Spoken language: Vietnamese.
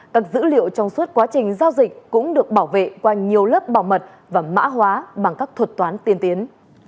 các dữ liệu trong suốt quá trình giao dịch cũng được bảo vệ qua nhiều lớp bảo mật và mã hóa bằng các thuật toán tiên tiến